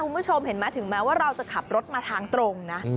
คุณผู้ชมเห็นไหมถึงแม้ว่าเราจะขับรถมาทางตรงนะ